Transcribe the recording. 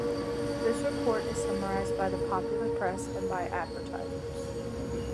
The report is summarized by the popular press and by advertisers.